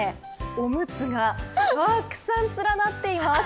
オムツがたくさん連なっています。